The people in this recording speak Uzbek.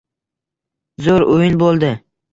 Zo`r o`yin bo`ldi